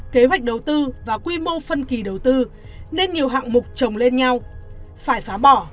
kế hoạch đầu tư và quy mô phân kỳ đầu tư nên nhiều hạng mục trồng lên nhau phải phá bỏ